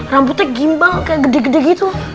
rambutnya gimbang kayak gede gede gitu